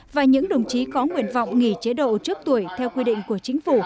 và những đồng chí có nguyện vọng nghỉ chế độ trước tuổi theo quy định của chính phủ